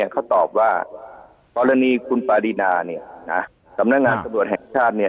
เขาตอบว่าปรณีคุณปารีนาสำนักงานตำรวจแห่งชาติ